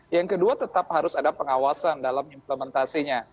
yang kedua tetap harus ada pengawasan dalam implementasinya